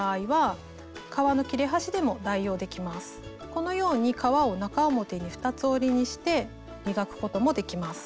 このように革を中表に二つ折りにして磨くこともできます。